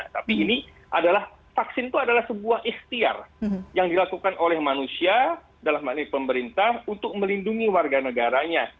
tapi ini adalah vaksin itu adalah sebuah ikhtiar yang dilakukan oleh manusia dalam hal ini pemerintah untuk melindungi warga negaranya